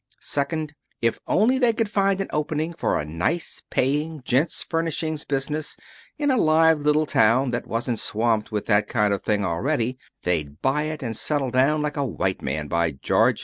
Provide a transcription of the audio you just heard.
Second: If only they could find an opening for a nice, paying gents' furnishing business in a live little town that wasn't swamped with that kind of thing already they'd buy it and settle down like a white man, by George!